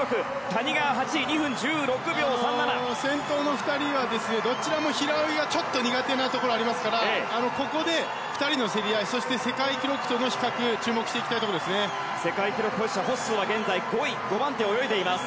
谷川、２分１６秒３７先頭の２人はどちらも平泳ぎがちょっと苦手なところがありますからここで２人の競り合いそして、世界記録との比較世界記録保持者のホッスーは現在５位５番手を泳いでいます。